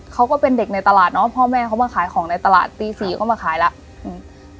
ก็เป็นเด็กในตลาดเนาะพ่อแม่เขามาขายของในตลาดตีสี่ก็มาขายแล้วอืม